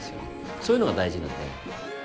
そういうのが大事なんで。